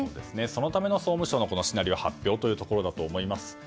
そのための総務省のシナリオ発表ということだと思います。